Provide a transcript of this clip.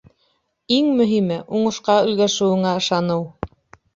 Иң мөһиме — уңышҡа өлгәшеүеңә ышаныу.